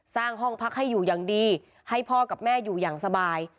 สร้างห้องพักให้อยู่อย่างดีให้พ่อกับแม่อยู่อย่างสบาย